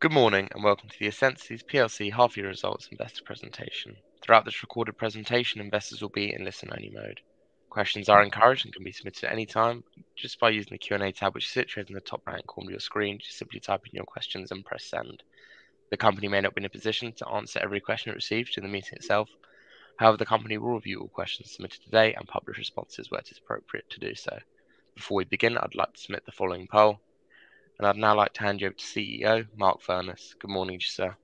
Good morning, and welcome to the essensys plc half-year results investor presentation. Throughout this recorded presentation, investors will be in listen-only mode. Questions are encouraged and can be submitted at any time just by using the Q&A tab which is situated in the top right corner of your screen. Just simply type in your questions and press Send. The company may not be in a position to answer every question it receives during the meeting itself. However, the company will review all questions submitted today and publish responses where it is appropriate to do so. Before we begin, I'd like to submit the following poll. I'd now like to hand you over to CEO, Mark Furness. Good morning to you, sir.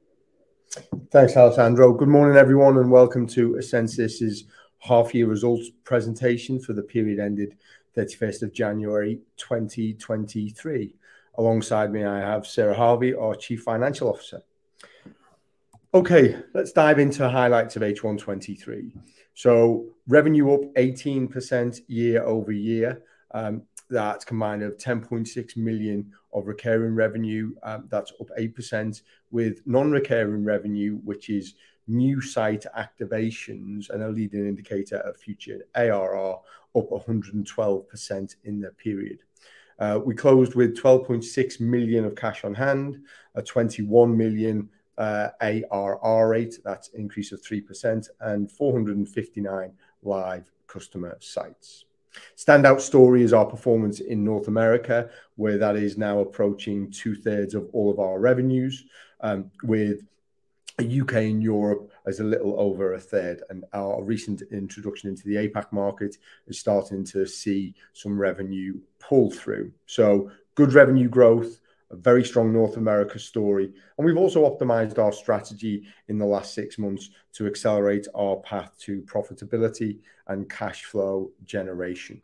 Thanks, Alessandro. Good morning, everyone, and welcome to essensys' half-year results presentation for the period ended 31st of January, 2023. Alongside me, I have Sarah Harvey, our Chief Financial Officer. Okay. Let's dive into the highlights of H1 '23. Revenue up 18% year-over-year. That's combined of 10.6 million of recurring revenue, that's up 8% with non-recurring revenue, which is new site activations and a leading indicator of future ARR up 112% in the period. We closed with 12.6 million of cash on-hand, a 21 million ARR rate, that's an increase of 3%, and 459 live customer sites. Standout story is our performance in North America, where that is now approaching two-thirds of all of our revenues, with U.K. and Europe as a little over a third. Our recent introduction into the APAC market is starting to see some revenue pull through. Good revenue growth, a very strong North America story, we've also optimized our strategy in the last six months to accelerate our path to profitability and cash flow generation.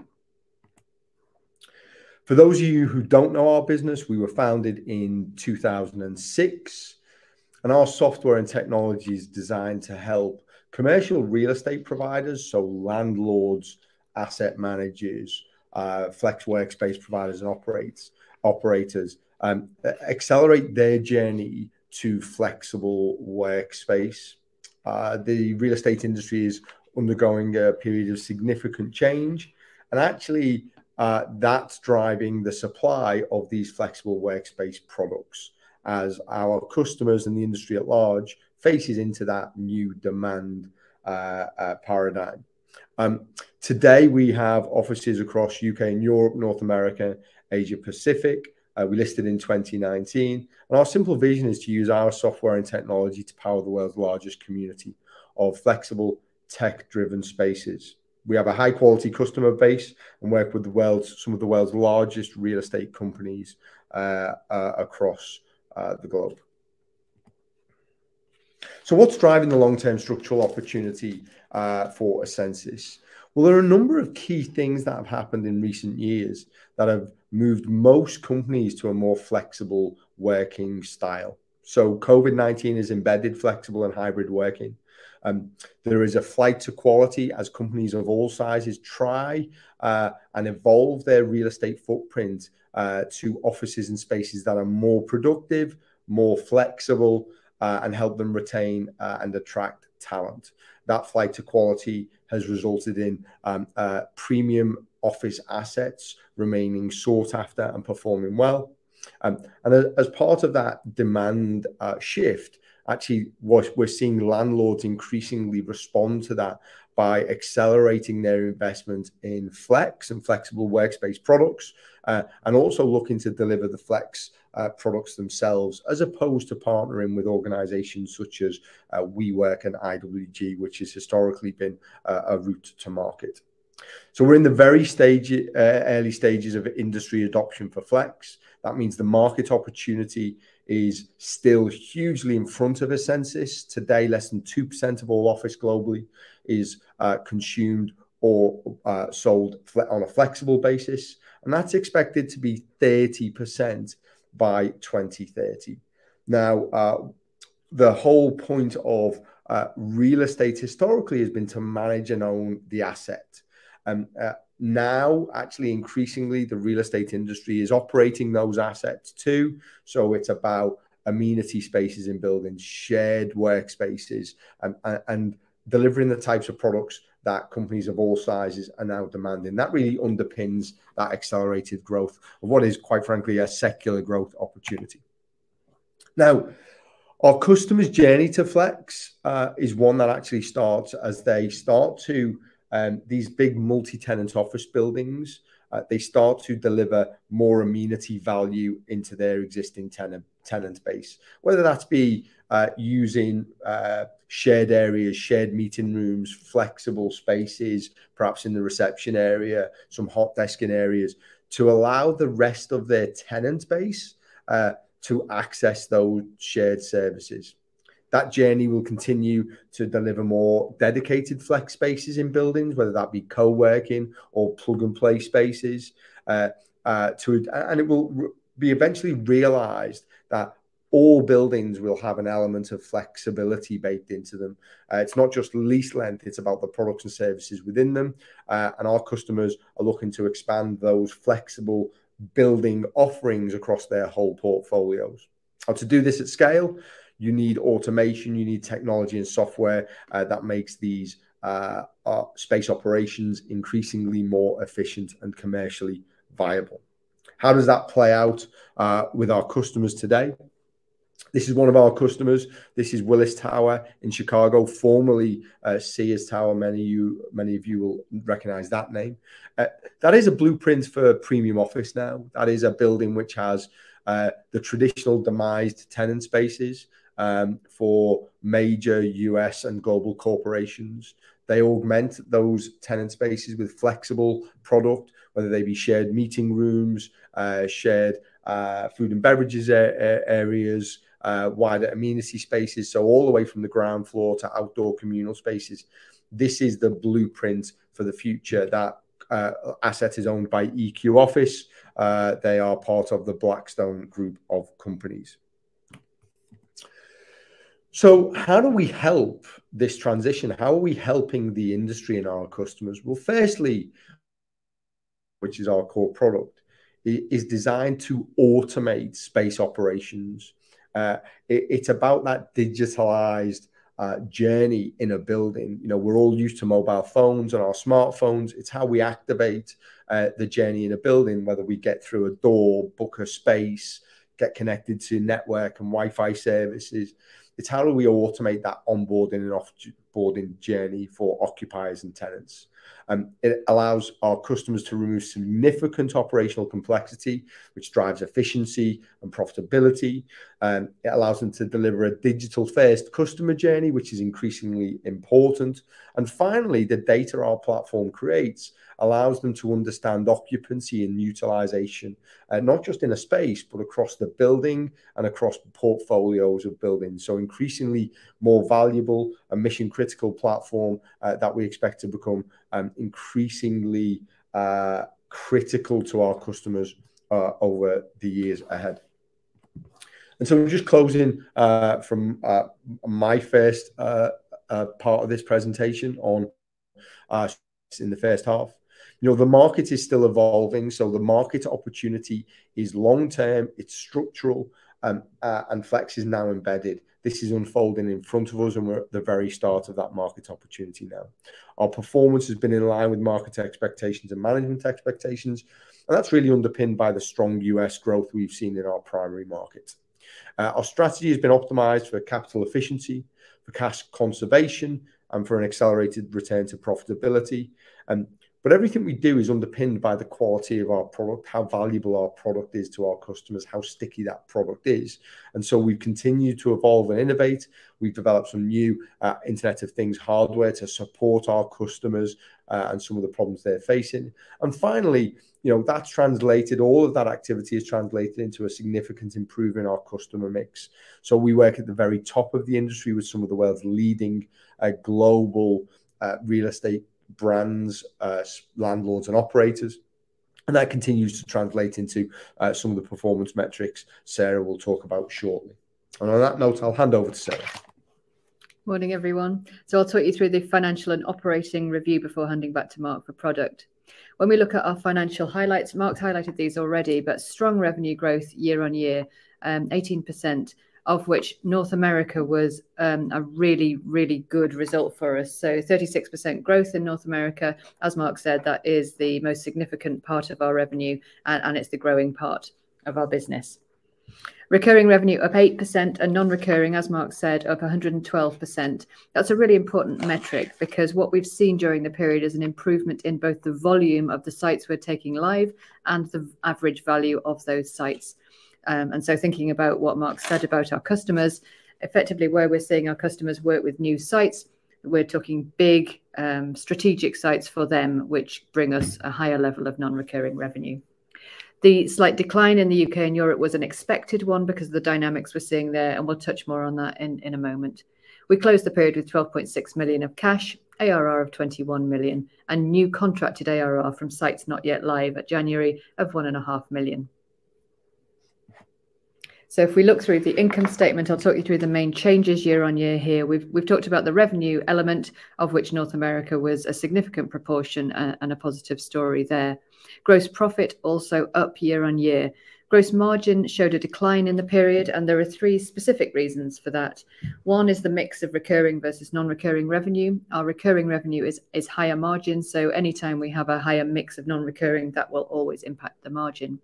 For those of you who don't know our business, we were founded in 2006, our software and technology is designed to help commercial real estate providers, so landlords, asset managers, flex workspace providers and operators accelerate their journey to flexible workspace. The real estate industry is undergoing a period of significant change, actually, that's driving the supply of these flexible workspace products as our customers and the industry at large faces into that new demand paradigm. Today, we have offices across U.K. and Europe, North America, Asia Pacific. We listed in 2019. Our simple vision is to use our software and technology to power the world's largest community of flexible tech-driven spaces. We have a high-quality customer base and work with some of the world's largest real estate companies across the globe. What's driving the long-term structural opportunity for essensys? There are a number of key things that have happened in recent years that have moved most companies to a more flexible working style. COVID-19 has embedded flexible and hybrid working. There is a flight to quality as companies of all sizes try and evolve their real estate footprint to offices and spaces that are more productive, more flexible, and help them retain and attract talent. That flight to quality has resulted in premium office assets remaining sought after and performing well. As part of that demand shift, actually what we're seeing landlords increasingly respond to that by accelerating their investment in flex and flexible workspace products and also looking to deliver the flex products themselves as opposed to partnering with organizations such as WeWork and IWG, which has historically been a route to market. We're in the very early stages of industry adoption for flex. That means the market opportunity is still hugely in front of essensys. Today, less than 2% of all office globally is consumed or sold on a flexible basis, and that's expected to be 30% by 2030. Now, the whole point of real estate historically has been to manage and own the asset. Now, actually increasingly, the real estate industry is operating those assets too. It's about amenity spaces in buildings, shared workspaces, and delivering the types of products that companies of all sizes are now demanding. That really underpins that accelerated growth of what is, quite frankly, a secular growth opportunity. Now, our customer's journey to flex is one that actually starts as they start to these big multi-tenant office buildings, they start to deliver more amenity value into their existing tenant base, whether that be using shared areas, shared meeting rooms, flexible spaces, perhaps in the reception area, some hot desking areas to allow the rest of their tenant base to access those shared services. That journey will continue to deliver more dedicated flex spaces in buildings, whether that be co-working or plug-and-play spaces, to and it will be eventually realized that all buildings will have an element of flexibility baked into them. It's not just lease length, it's about the products and services within them, and our customers are looking to expand those flexible building offerings across their whole portfolios. To do this at scale, you need automation, you need technology and software that makes these space operations increasingly more efficient and commercially viable. How does that play out with our customers today? This is one of our customers. This is Willis Tower in Chicago, formerly Sears Tower. Many of you will recognize that name. That is a blueprint for premium office now. That is a building which has the traditional demised tenant spaces for major U.S. and global corporations. They augment those tenant spaces with flexible product, whether they be shared meeting rooms, shared food and beverages areas, wider amenity spaces. All the way from the ground floor to outdoor communal spaces. This is the blueprint for the future. That asset is owned by EQ Office. They are part of the Blackstone group of companies. How do we help this transition? How are we helping the industry and our customers? Firstly, which is our core product, is designed to automate space operations. It's about that digitalized journey in a building. You know, we're all used to mobile phones and our smartphones. It's how we activate the journey in a building, whether we get through a door, book a space, get connected to network and Wi-Fi services. It's how do we automate that onboarding and offboarding journey for occupiers and tenants. It allows our customers to remove significant operational complexity, which drives efficiency and profitability, it allows them to deliver a digital-first customer journey, which is increasingly important. Finally, the data our platform creates allows them to understand occupancy and utilization, not just in a space, but across the building and across portfolios of buildings. Increasingly more valuable, a mission-critical platform that we expect to become increasingly critical to our customers over the years ahead. Just closing from my first part of this presentation on in the first half. You know, the market is still evolving, so the market opportunity is long-term, it's structural, flex is now embedded. This is unfolding in front of us, we're at the very start of that market opportunity now. Our performance has been in line with market expectations and management expectations, that's really underpinned by the strong US growth we've seen in our primary market. Our strategy has been optimized for capital efficiency, for cash conservation, and for an accelerated return to profitability. Everything we do is underpinned by the quality of our product, how valuable our product is to our customers, how sticky that product is. We've continued to evolve and innovate. We've developed some new Internet of Things hardware to support our customers, some of the problems they're facing. Finally, you know, that's translated, all of that activity is translated into a significant improve in our customer mix. We work at the very top of the industry with some of the world's leading, global, real estate brands, landlords, and operators. That continues to translate into some of the performance metrics Sarah will talk about shortly. On that note, I'll hand over to Sarah. Morning, everyone. I'll talk you through the financial and operating review before handing back to Mark for product. When we look at our financial highlights, Mark's highlighted these already, but strong revenue growth year-on-year, 18%, of which North America was a really, really good result for us. 36% growth in North America. As Mark said, that is the most significant part of our revenue, and it's the growing part of our business. Recurring revenue up 8% and non-recurring, as Mark said, up 112%. That's a really important metric because what we've seen during the period is an improvement in both the volume of the sites we're taking live and the average value of those sites. Thinking about what Mark said about our customers, effectively, where we're seeing our customers work with new sites, we're talking big, strategic sites for them, which bring us a higher level of non-recurring revenue. The slight decline in the U.K. and Europe was an expected one because the dynamics we're seeing there, and we'll touch more on that in a moment. We closed the period with 12.6 million of cash, ARR of 21 million, and new contracted ARR from sites not yet live at January of 1.5 million. If we look through the income statement, I'll talk you through the main changes year-on-year here. We've talked about the revenue element of which North America was a significant proportion, and a positive story there. Gross profit also up year-on-year. Gross margin showed a decline in the period. There are three specific reasons for that. One is the mix of recurring versus non-recurring revenue. Our recurring revenue is higher margin. Anytime we have a higher mix of non-recurring, that will always impact the margin.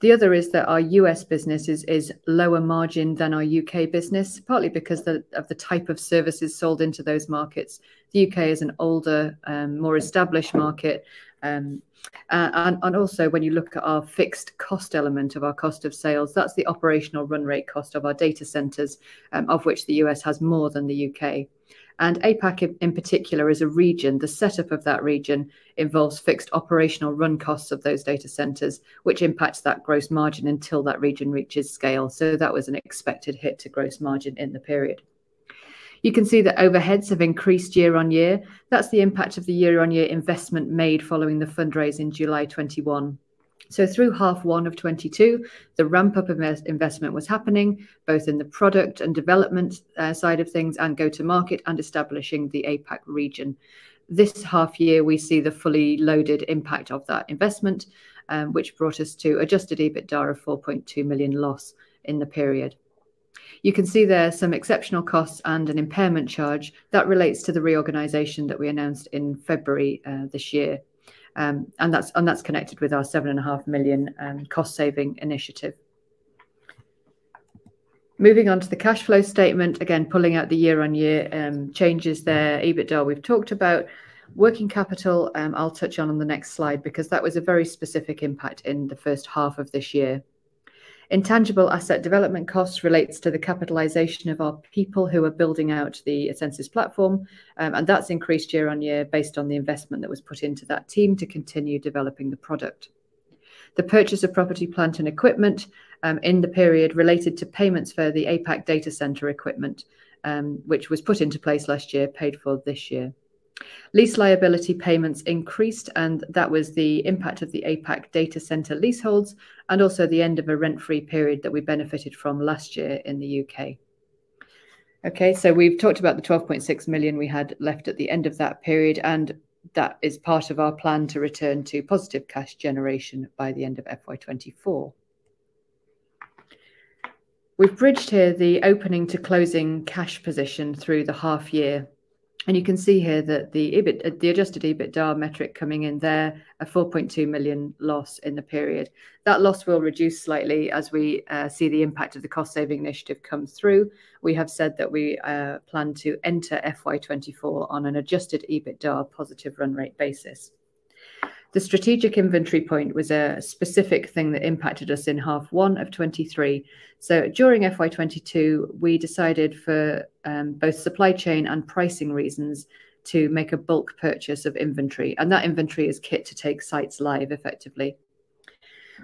The other is that our U.S. business is lower margin than our U.K. business, partly because of the type of services sold into those markets. The U.K. is an older, more established market. Also when you look at our fixed cost element of our cost of sales, that's the operational run rate cost of our data centers, of which the U.S. has more than the U.K. APAC in particular as a region, the setup of that region involves fixed operational run costs of those data centers, which impacts that gross margin until that region reaches scale. That was an expected hit to gross margin in the period. You can see that overheads have increased year-on-year. That's the impact of the year-on-year investment made following the fundraise in July 2021. Through half one of 2022, the ramp-up investment was happening, both in the product and development side of things and go to market and establishing the APAC region. This half year, we see the fully loaded impact of that investment, which brought us to adjusted EBITDA of 4.2 million loss in the period. You can see there some exceptional costs and an impairment charge. That relates to the reorganization that we announced in February this year. That's connected with our seven and a half million cost saving initiative. Moving on to the cash flow statement, again, pulling out the year-on-year changes there. EBITDA, we've talked about. Working capital, I'll touch on on the next slide because that was a very specific impact in the first half of this year. Intangible asset development costs relates to the capitalization of our people who are building out the essensys Platform, increased year-on-year based on the investment that was put into that team to continue developing the product. The purchase of property, plant, and equipment in the period related to payments for the APAC data center equipment, which was put into place last year, paid for this year. Lease liability payments increased. That was the impact of the APAC data center leaseholds and also the end of a rent-free period that we benefited from last year in the U.K. Okay, so we've talked about the 12.6 million we had left at the end of that period, and that is part of our plan to return to positive cash generation by the end of FY 2024. We've bridged here the opening to closing cash position through the half year, and you can see here that the adjusted EBITDA metric coming in there, a 4.2 million loss in the period. That loss will reduce slightly as we see the impact of the cost-saving initiative come through. We have said that we plan to enter FY 2024 on an adjusted EBITDA positive run rate basis. The strategic inventory point was a specific thing that impacted us in H1 '23. During FY 2022, we decided for both supply chain and pricing reasons to make a bulk purchase of inventory, and that inventory is kit to take sites live effectively.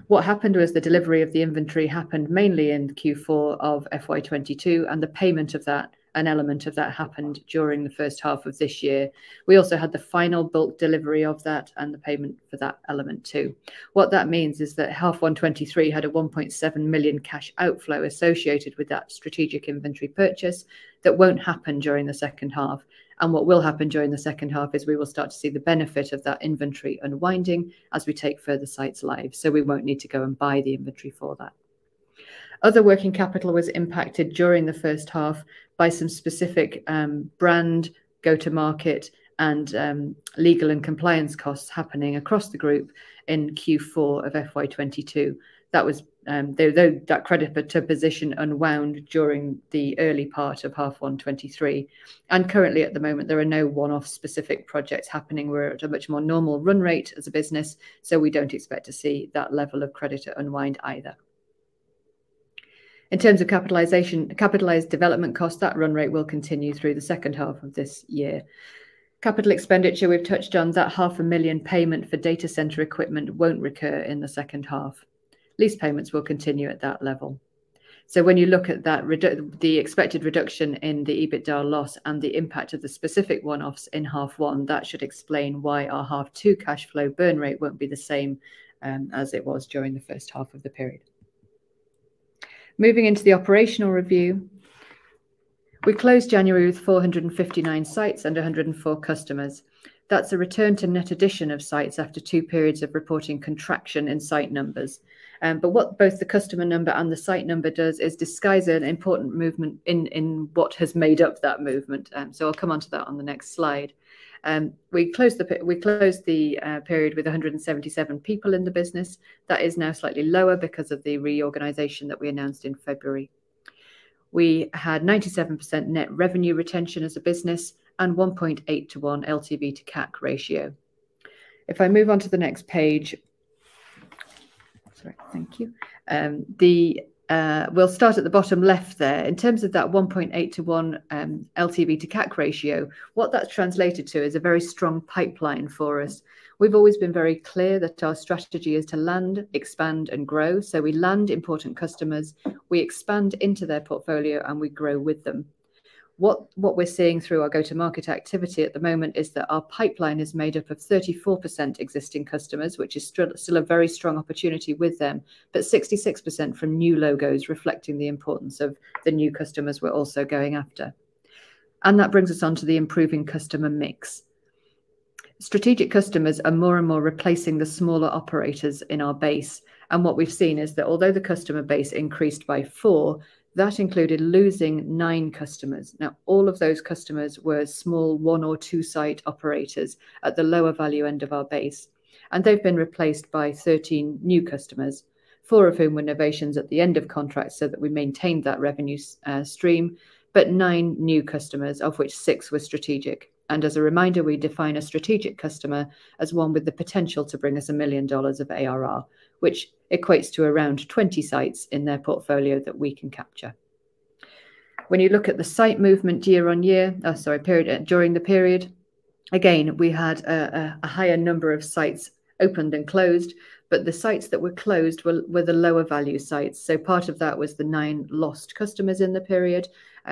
What happened was the delivery of the inventory happened mainly in Q4 of FY 2022, and the payment of that, an element of that happened during the first half of this year. We also had the final bulk delivery of that and the payment for that element too. What that means is that H1 '23 had a 1.7 million cash outflow associated with that strategic inventory purchase that won't happen during the second half. What will happen during the second half is we will start to see the benefit of that inventory unwinding as we take further sites live. We won't need to go and buy the inventory for that. Other working capital was impacted during the first half by some specific brand go-to-market and legal and compliance costs happening across the group in Q4 of FY 2022. That was, Though that credit but to position unwound during the early part of H1 '23. Currently at the moment, there are no one-off specific projects happening. We're at a much more normal run rate as a business, we don't expect to see that level of credit unwind either. In terms of capitalized development costs, that run rate will continue through the second half of this year. Capital expenditure, we've touched on that half a million payment for data center equipment won't recur in the second half. Lease payments will continue at that level. When you look at that the expected reduction in the EBITDA loss and the impact of the specific one-offs in half one, that should explain why our half two cash flow burn rate won't be the same as it was during the first half of the period. Moving into the operational review, we closed January with 459 sites and 104 customers. That's a return to net addition of sites after two periods of reporting contraction in site numbers. What both the customer number and the site number does is disguises an important movement in what has made up that movement. I'll come on to that on the next slide. We closed the period with 177 people in the business. That is now slightly lower because of the reorganization that we announced in February. We had 97% net revenue retention as a business and 1.8 to 1 LTV to CAC ratio. Sorry. Thank you. We'll start at the bottom left there. In terms of that 1.8 to 1 LTV to CAC ratio, what that's translated to is a very strong pipeline for us. We've always been very clear that our strategy is to land, expand, and grow. We land important customers, we expand into their portfolio, and we grow with them. What we're seeing through our go-to-market activity at the moment is that our pipeline is made up of 34% existing customers, which is still a very strong opportunity with them, but 66% from new logos reflecting the importance of the new customers we're also going after. That brings us onto the improving customer mix. Strategic customers are more and more replacing the smaller operators in our base, what we've seen is that although the customer base increased by four, that included losing nine customers. Now, all of those customers were small one or two site operators at the lower value end of our base, and they've been replaced by 13 new customers, four of whom were novations at the end of contracts so that we maintained that revenue stream, nine new customers, of which six were strategic. As a reminder, we define a strategic customer as one with the potential to bring us $1 million of ARR, which equates to around 20 sites in their portfolio that we can capture. When you look at the site movement year-on-year during the period, again, we had a higher number of sites opened and closed, but the sites that were closed were the lower value sites. Part of that was the 9 lost customers in the period,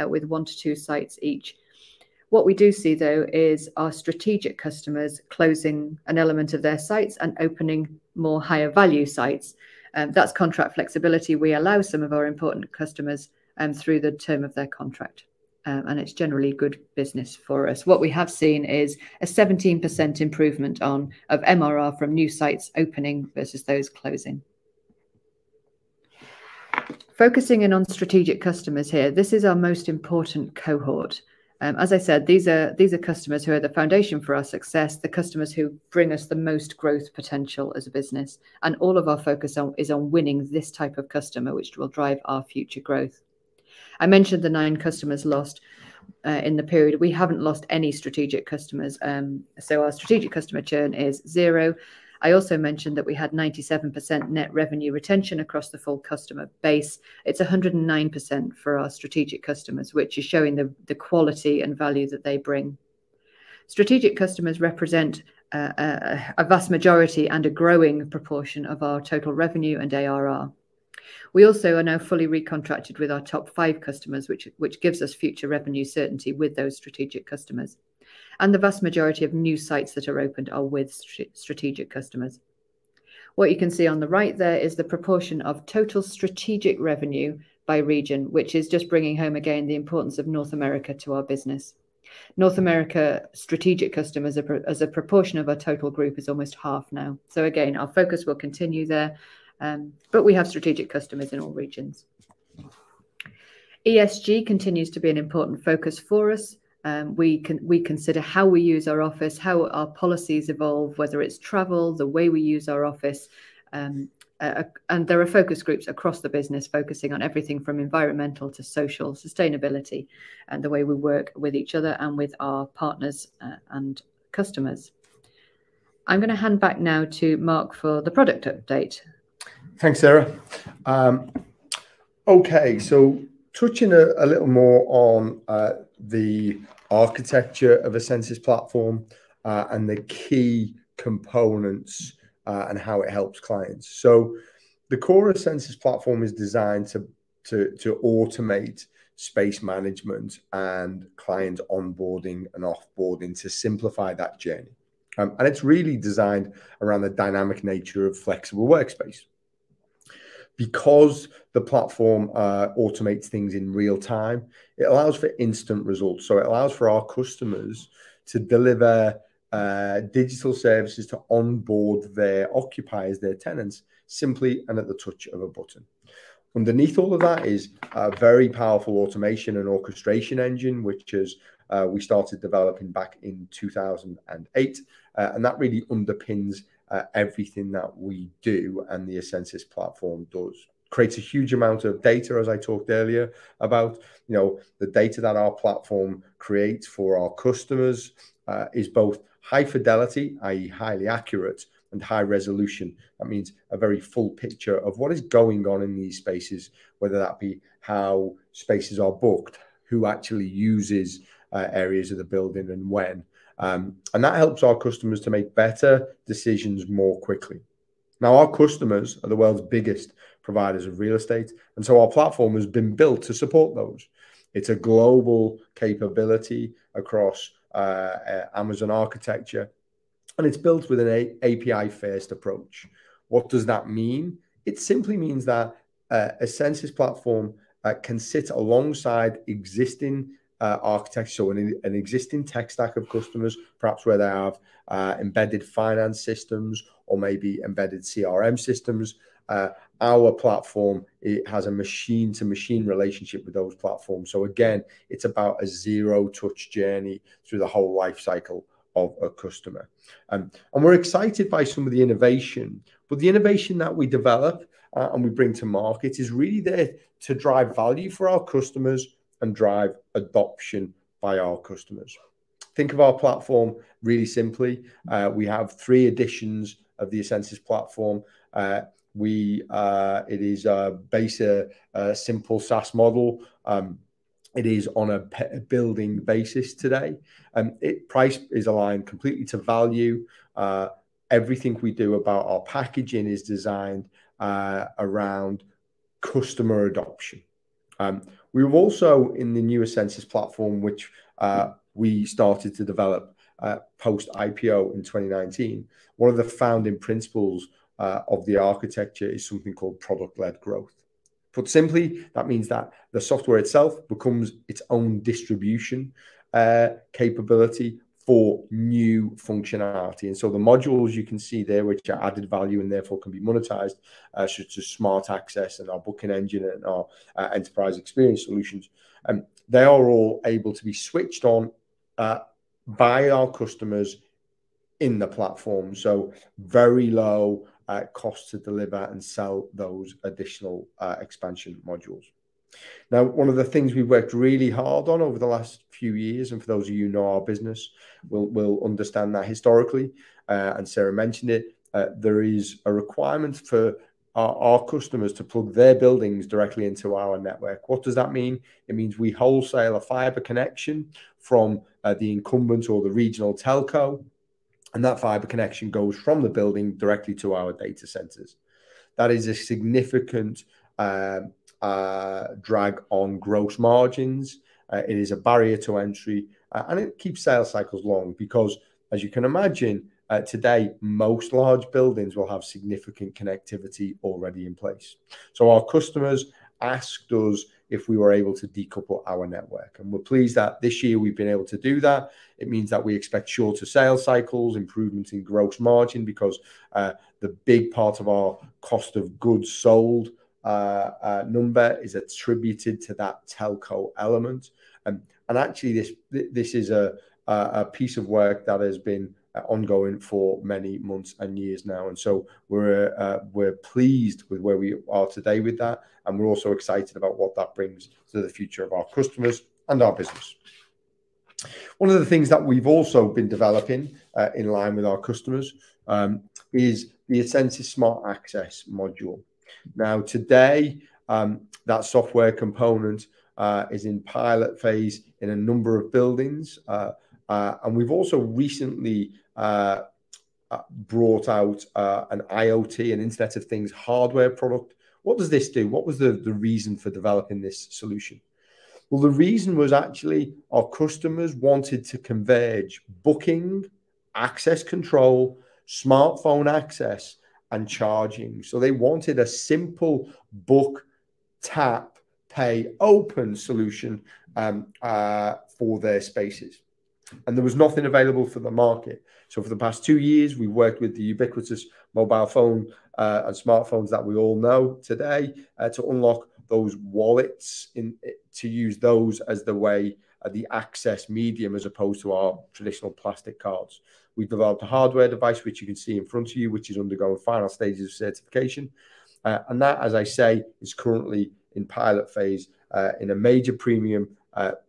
with 1-2 sites each. What we do see, though, is our strategic customers closing an element of their sites and opening more higher value sites. That's contract flexibility we allow some of our important customers through the term of their contract. It's generally good business for us. What we have seen is a 17% improvement of MRR from new sites opening versus those closing. Focusing in on strategic customers here, this is our most important cohort. As I said, these are customers who are the foundation for our success, the customers who bring us the most growth potential as a business, and all of our focus on, is on winning this type of customer, which will drive our future growth. I mentioned the nine customers lost in the period. We haven't lost any strategic customers, so our strategic customer churn is zero. I also mentioned that we had 97% net revenue retention across the full customer base. It's 109% for our strategic customers, which is showing the quality and value that they bring. Strategic customers represent a vast majority and a growing proportion of our total revenue and ARR. We also are now fully recontracted with our top five customers, which gives us future revenue certainty with those strategic customers, and the vast majority of new sites that are opened are with strategic customers. What you can see on the right there is the proportion of total strategic revenue by region, which is just bringing home again the importance of North America to our business. North America strategic customers as a proportion of our total group is almost half now. Again, our focus will continue there, but we have strategic customers in all regions. ESG continues to be an important focus for us. We consider how we use our office, how our policies evolve, whether it's travel, the way we use our office. There are focus groups across the business focusing on everything from environmental to social sustainability and the way we work with each other and with our partners, and customers. I'm gonna hand back now to Mark for the product update. Thanks, Sarah. Okay. Touching a little more on the architecture of essensys Platform and the key components and how it helps clients. The core of essensys Platform is designed to automate space management and client onboarding and offboarding to simplify that journey. It's really designed around the dynamic nature of flexible workspace. Because the platform automates things in real time, it allows for instant results. It allows for our customers to deliver digital services to onboard their occupiers, their tenants, simply and at the touch of a button. Underneath all of that is a very powerful automation and orchestration engine, which we started developing back in 2008, and that really underpins everything that we do and the essensys Platform does. Creates a huge amount of data, as I talked earlier about, you know, the data that our platform creates for our customers, is both high fidelity, i.e., highly accurate, and high resolution. That means a very full picture of what is going on in these spaces, whether that be how spaces are booked, who actually uses areas of the building and when. That helps our customers to make better decisions more quickly. Now, our customers are the world's biggest providers of real estate, and so our platform has been built to support those. It's a global capability across Amazon architecture, and it's built with an API first approach. What does that mean? It simply means that essensys Platform can sit alongside existing architecture, so existing tech stack of customers, perhaps where they have embedded finance systems or maybe embedded CRM systems. Our platform, it has a machine-to-machine relationship with those platforms. Again, it's about a zero-touch journey through the whole life cycle of a customer. We're excited by some of the innovation, but the innovation that we develop, we bring to market is really there to drive value for our customers and drive adoption by our customers. Think of our platform really simply. We have three editions of the essensys Platform. We, it is a basic, simple SaaS model. It is on a building basis today. It price is aligned completely to value. Everything we do about our packaging is designed around customer adoption. We've also, in the newer essensys Platform, which we started to develop post-IPO in 2019, one of the founding principles of the architecture is something called product-led growth. Put simply, that means that the software itself becomes its own distribution capability for new functionality. The modules you can see there, which are added value and therefore can be monetized, such as Smart Access and our booking engine and our enterprise experience solutions, they are all able to be switched on by our customers in the platform, so very low cost to deliver and sell those additional expansion modules. One of the things we've worked really hard on over the last few years, and for those of you who know our business will understand that historically, and Sarah mentioned it, there is a requirement for our customers to plug their buildings directly into our network. What does that mean? It means we wholesale a fiber connection from the incumbent or the regional telco, and that fiber connection goes from the building directly to our data centers. That is a significant drag on gross margins. It is a barrier to entry, and it keeps sales cycles long because as you can imagine, today most large buildings will have significant connectivity already in place. Our customers asked us if we were able to decouple our network, and we're pleased that this year we've been able to do that. It means that we expect shorter sales cycles, improvements in gross margin because the big part of our cost of goods sold number is attributed to that telco element. Actually this is a piece of work that has been ongoing for many months and years now. We're pleased with where we are today with that, and we're also excited about what that brings to the future of our customers and our business. One of the things that we've also been developing in line with our customers is the essensys Smart Access module. Now, today, that software component is in pilot phase in a number of buildings. We've also recently brought out an IoT, an Internet of Things, hardware product. What does this do? What was the reason for developing this solution? Well, the reason was actually our customers wanted to converge booking, access control, smartphone access, and charging. they wanted a simple book, tap, pay, open solution for their spaces, and there was nothing available for the market. for the past two years, we worked with the ubiquitous mobile phone and smartphones that we all know today to unlock those wallets and to use those as the way the access medium as opposed to our traditional plastic cards. We've developed a hardware device, which you can see in front of you, which is undergoing final stages of certification. that, as I say, is currently in pilot phase in a major premium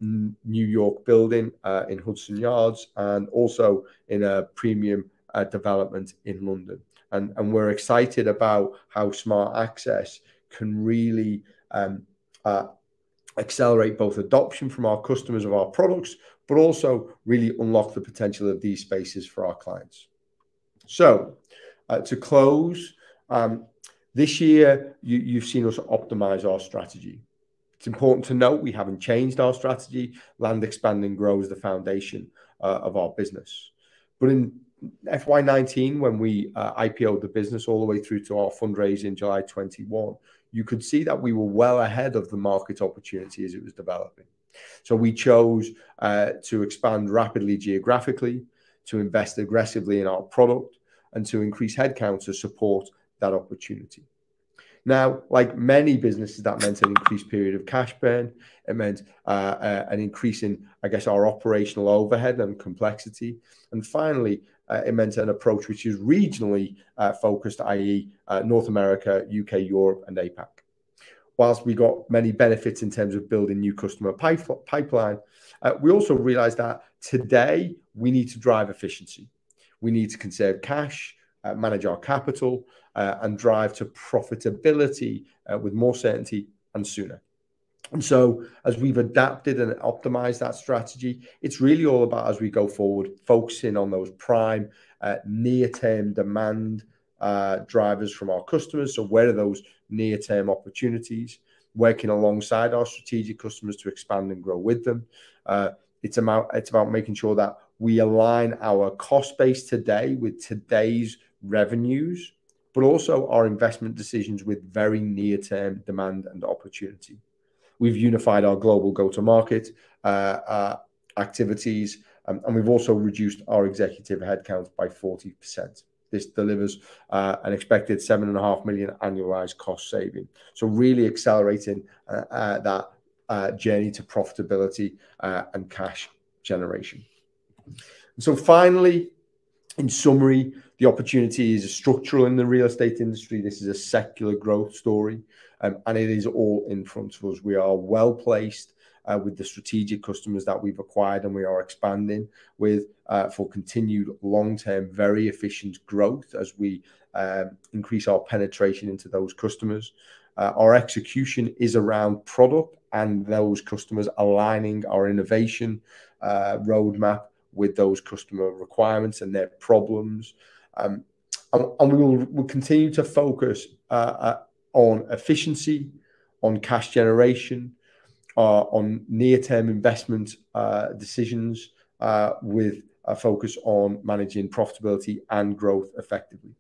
New York building in Hudson Yards, and also in a premium development in London. We're excited about how Smart Access can really accelerate both adoption from our customers of our products, but also really unlock the potential of these spaces for our clients. To close this year, you've seen us optimize our strategy. It's important to note we haven't changed our strategy. Land expanding grows the foundation of our business. In FY 2019 when we IPOed the business all the way through to our fundraise in July 2021, you could see that we were well ahead of the market opportunity as it was developing. We chose to expand rapidly geographically, to invest aggressively in our product, and to increase headcounts to support that opportunity. Now, like many businesses, that meant an increased period of cash burn. It meant an increase in, I guess, our operational overhead and complexity. Finally, it meant an approach which is regionally focused, i.e., North America, U.K., Europe, and APAC. Whilst we got many benefits in terms of building new customer pipeline, we also realized that today we need to drive efficiency. We need to conserve cash, manage our capital, and drive to profitability with more certainty and sooner. As we've adapted and optimized that strategy, it's really all about, as we go forward, focusing on those prime, near-term demand drivers from our customers. Where are those near-term opportunities? Working alongside our strategic customers to expand and grow with them. It's about making sure that we align our cost base today with today's revenues, but also our investment decisions with very near-term demand and opportunity. We've unified our global go-to-market activities, and we've also reduced our executive headcounts by 40%. This delivers an expected seven and a half million annualized cost saving, so really accelerating that journey to profitability and cash generation. Finally, in summary, the opportunity is structural in the real estate industry. This is a secular growth story, and it is all in front of us. We are well-placed with the strategic customers that we've acquired, and we are expanding with for continued long-term, very efficient growth as we increase our penetration into those customers. Our execution is around product and those customers aligning our innovation roadmap with those customer requirements and their problems. We will, we'll continue to focus on efficiency, on cash generation, on near-term investment decisions, with a focus on managing profitability and growth effectively.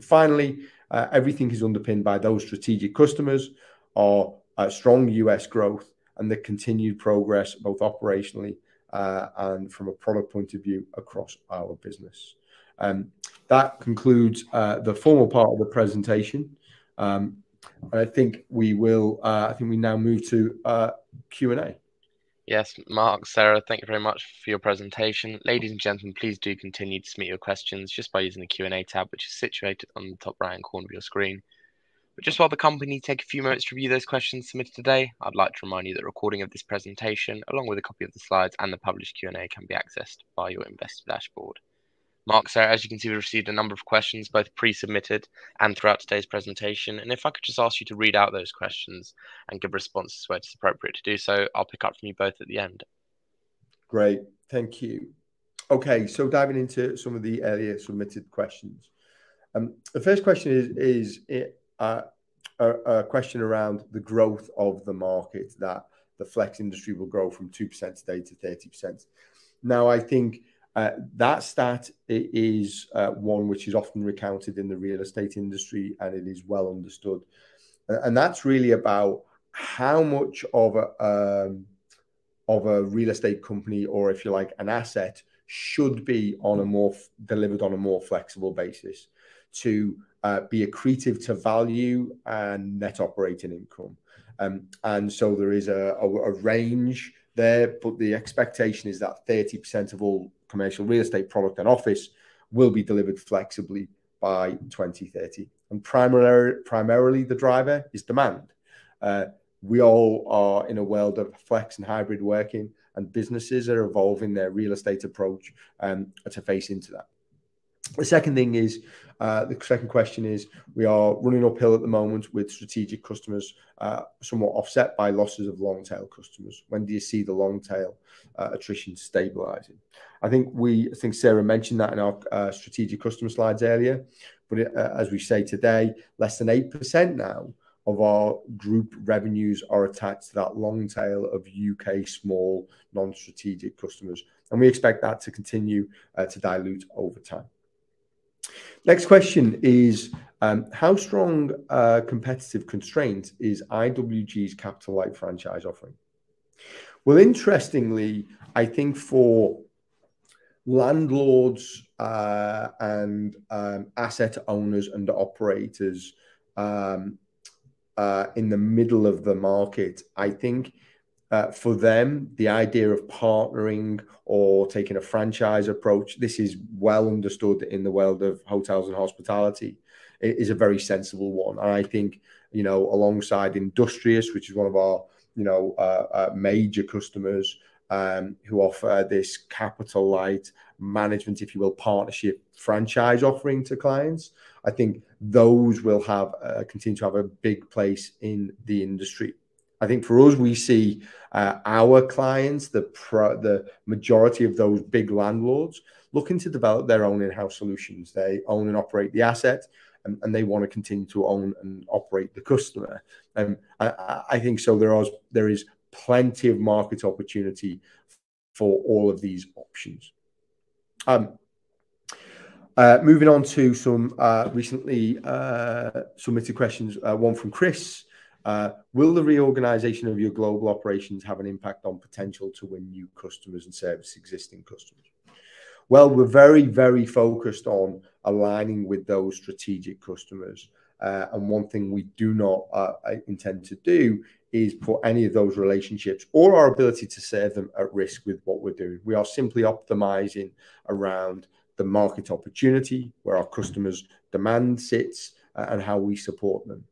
Finally, everything is underpinned by those strategic customers, our strong US growth, and the continued progress both operationally and from a product point of view across our business. That concludes the formal part of the presentation. I think we now move to Q&A. Yes. Mark, Sarah, thank you very much for your presentation. Ladies and gentlemen, please do continue to submit your questions just by using the Q&A tab, which is situated on the top right-hand corner of your screen. Just while the company take a few moments to review those questions submitted today, I'd like to remind you that a recording of this presentation, along with a copy of the slides and the published Q&A, can be accessed by your investor dashboard. Mark, Sarah, as you can see, we received a number of questions, both pre-submitted and throughout today's presentation. If I could just ask you to read out those questions and give responses where it is appropriate to do so. I'll pick up from you both at the end. Great. Thank you. Okay. Diving into some of the earlier submitted questions. The first question is a question around the growth of the market, that the flex industry will grow from 2% today to 30%. I think that stat is one which is often recounted in the real estate industry, and it is well understood. And that's really about how much of a real estate company or, if you like, an asset should be delivered on a more flexible basis to be accretive to value and net operating income. And so there is a range there, but the expectation is that 30% of all commercial real estate product and office will be delivered flexibly by 2030. Primarily, the driver is demand. We all are in a world of flex and hybrid working, and businesses are evolving their real estate approach to face into that. The second thing is, the second question is we are running uphill at the moment with strategic customers, somewhat offset by losses of long tail customers. When do you see the long tail attrition stabilizing? I think Sarah mentioned that in our strategic customer slides earlier, but as we say today, less than 8% now of our group revenues are attached to that long tail of UK small non-strategic customers, and we expect that to continue to dilute over time. Next question is, how strong a competitive constraint is IWG's capital-light franchise offering? Well, interestingly, I think for landlords, and asset owners and operators, in the middle of the market, I think, for them, the idea of partnering or taking a franchise approach, this is well understood in the world of hotels and hospitality, it is a very sensible one. I think, you know, alongside Industrious, which is one of our, you know, major customers, who offer this capital light management, if you will, partnership franchise offering to clients, I think those will have, continue to have a big place in the industry. I think for us, we see, our clients, the majority of those big landlords looking to develop their own in-house solutions. They own and operate the asset and they wanna continue to own and operate the customer. I think so there is plenty of market opportunity for all of these options. Moving on to some recently submitted questions, one from Chris. Will the reorganization of your global operations have an impact on potential to win new customers and service existing customers? Well, we're very focused on aligning with those strategic customers. One thing we do not intend to do is put any of those relationships or our ability to serve them at risk with what we're doing. We are simply optimizing around the market opportunity where our customers' demand sits and how we support them.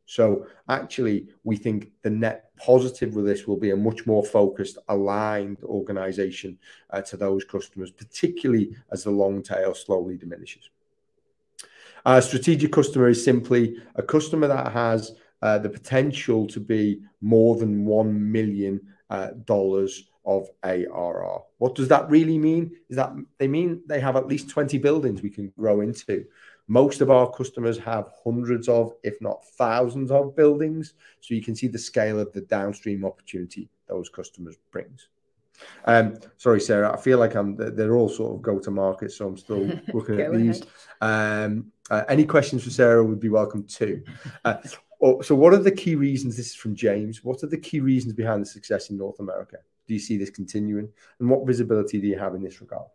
Actually, we think the net positive with this will be a much more focused, aligned organization to those customers, particularly as the long tail slowly diminishes. A strategic customer is simply a customer that has the potential to be more than $1 million of ARR. What does that really mean? Is that they mean they have at least 20 buildings we can grow into. Most of our customers have hundreds of, if not thousands of buildings, so you can see the scale of the downstream opportunity those customers brings. Sorry, Sarah, I feel like I'm. They're all sort of go to market, so I'm still- Go ahead. Looking at these. Any questions for Sarah would be welcome too. What are the key reasons, this is from James, behind the success in North America? Do you see this continuing, and what visibility do you have in this regard?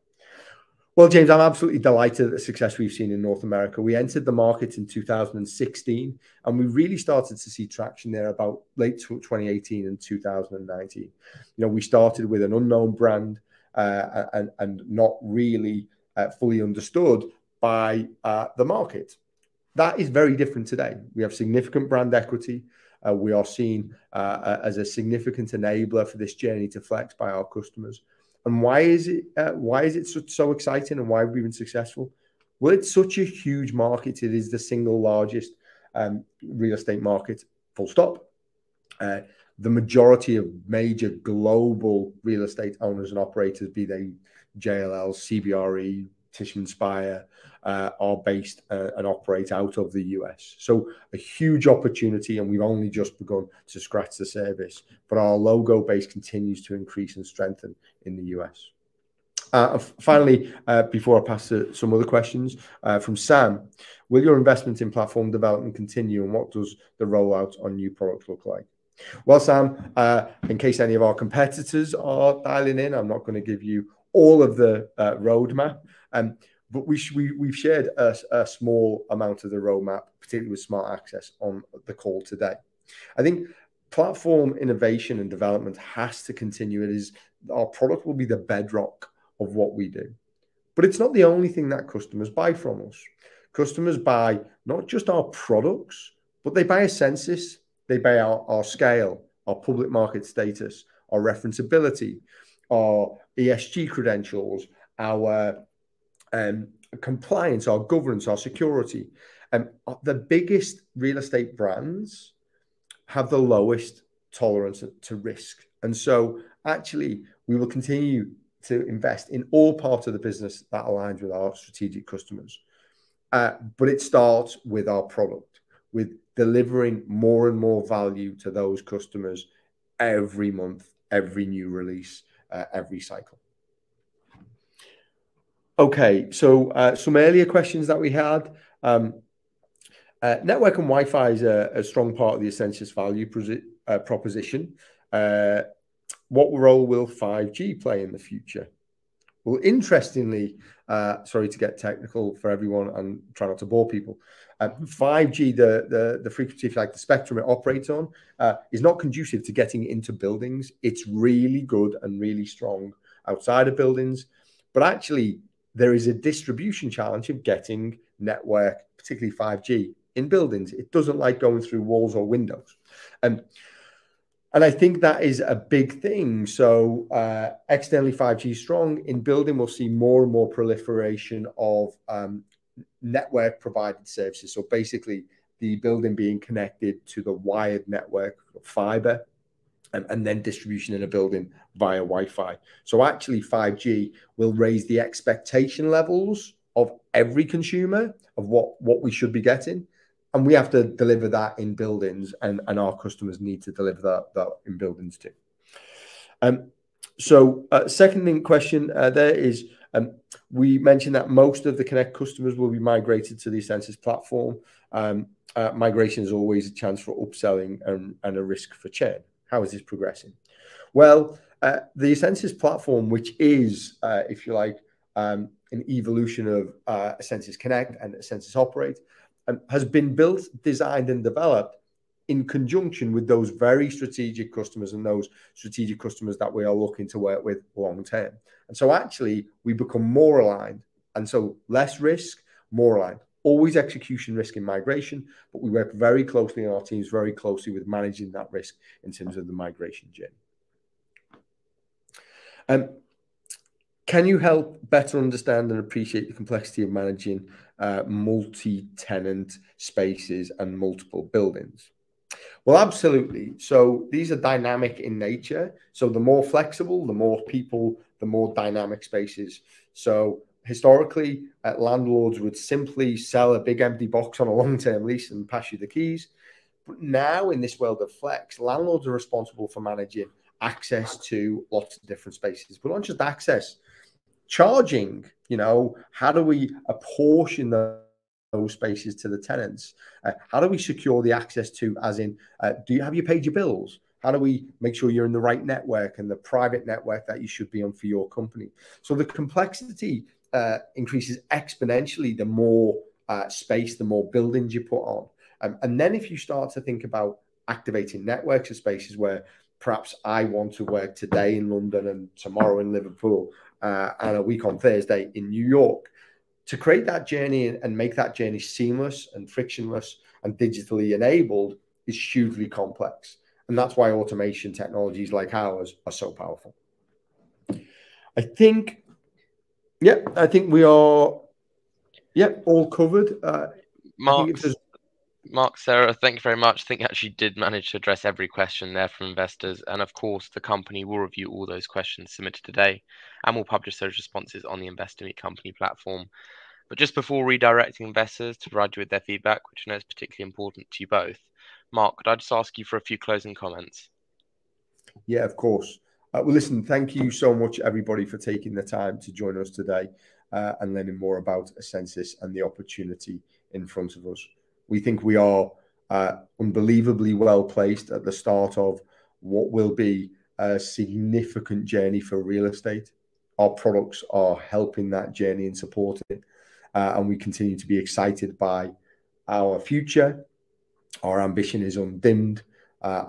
Well, James, I'm absolutely delighted at the success we've seen in North America. We entered the market in 2016, and we really started to see traction there about late 2018 and 2019. You know, we started with an unknown brand, and not really fully understood by the market. That is very different today. We have significant brand equity. We are seen as a significant enabler for this journey to flex by our customers. Why is it so exciting and why have we been successful? Well, it's such a huge market, it is the single largest real estate market, full stop. The majority of major global real estate owners and operators, be they JLL, CBRE, Tishman Speyer, are based and operate out of the U.S. A huge opportunity, and we've only just begun to scratch the service. Our logo base continues to increase and strengthen in the U.S. Finally, before I pass to some other questions from Sam. Will your investment in platform development continue, and what does the rollout on new products look like? Well, Sam, in case any of our competitors are dialing in, I'm not gonna give you all of the roadmap. We've shared a small amount of the roadmap, particularly with Smart Access on the call today. I think platform innovation and development has to continue, our product will be the bedrock of what we do. It's not the only thing that customers buy from us. Customers buy not just our products, but they buy essensys, they buy our scale, our public market status, our reference-ability, our ESG credentials, our compliance, our governance, our security. The biggest real estate brands have the lowest tolerance to risk. Actually, we will continue to invest in all parts of the business that aligns with our strategic customers. It starts with our product, with delivering more and more value to those customers every month, every new release, every cycle. Okay. Some earlier questions that we had. Network and Wi-Fi is a strong part of the essensys value proposition. What role will 5G play in the future? Well, interestingly, sorry to get technical for everyone and try not to bore people. 5G, the, the frequency, if you like, the spectrum it operates on, is not conducive to getting into buildings. It's really good and really strong outside of buildings. Actually, there is a distribution challenge of getting network, particularly 5G, in buildings. It doesn't like going through walls or windows. I think that is a big thing. Externally, 5G is strong. In building, we'll see more and more proliferation of network-provided services. Basically, the building being connected to the wired network fiber and then distribution in a building via Wi-Fi. Actually, 5G will raise the expectation levels of every consumer of what we should be getting, and we have to deliver that in buildings, and our customers need to deliver that in buildings too. Second main question there is, we mentioned that most of the Connect customers will be migrated to the essensys Platform. Migration is always a chance for upselling and a risk for churn. How is this progressing? Well, the essensys Platform, which is, if you like, an evolution of essensys Connect and essensys Operate, has been built, designed, and developed in conjunction with those very strategic customers and those strategic customers that we are looking to work with long term. Actually, we become more aligned, and so less risk, more aligned. Always execution risk in migration, we work very closely and our team's very closely with managing that risk in terms of the migration journey. Can you help better understand and appreciate the complexity of managing multi-tenant spaces and multiple buildings? Absolutely. These are dynamic in nature, so the more flexible, the more people, the more dynamic spaces. Historically, landlords would simply sell a big empty box on a long-term lease and pass you the keys. Now in this world of flex, landlords are responsible for managing access to lots of different spaces. Not just access, charging. You know, how do we apportion those spaces to the tenants? How do we secure the access to, as in, Have you paid your bills? How do we make sure you're in the right network and the private network that you should be on for your company? The complexity increases exponentially the more space, the more buildings you put on. Then if you start to think about activating networks of spaces where perhaps I want to work today in London and tomorrow in Liverpool, and a week on Thursday in New York, to create that journey and make that journey seamless and frictionless and digitally enabled is hugely complex, and that's why automation technologies like ours are so powerful. I think, I think we are all covered. I think it is. Mark, Sarah, thank you very much. Think you actually did manage to address every question there from investors. Of course, the company will review all those questions submitted today and will publish those responses on the Investor Meet Company company platform. Just before redirecting investors to provide you with their feedback, which I know is particularly important to you both, Mark, could I just ask you for a few closing comments? Yeah, of course. Well, listen, thank you so much, everybody, for taking the time to join us today, learning more about essensys and the opportunity in front of us. We think we are unbelievably well-placed at the start of what will be a significant journey for real estate. Our products are helping that journey and supporting it, we continue to be excited by our future. Our ambition is undimmed,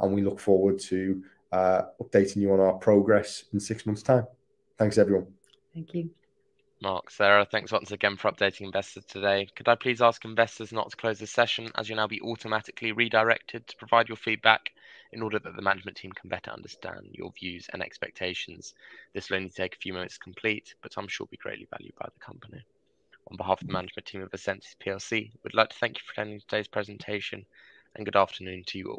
we look forward to updating you on our progress in six months' time. Thanks, everyone. Thank you. Mark, Sarah, thanks once again for updating investors today. Could I please ask investors not to close this session, as you'll now be automatically redirected to provide your feedback in order that the management team can better understand your views and expectations. This will only take a few minutes to complete, but I'm sure will be greatly valued by the company. On behalf of the management team of essensys plc, we'd like to thank you for attending today's presentation. Good afternoon to you all.